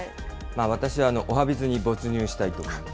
私は、おはＢｉｚに没入したいと思います。